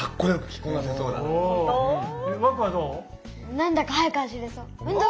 なんだか速く走れそう。